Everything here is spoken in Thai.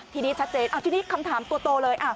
ทีนี้คำถามตัวโตเลย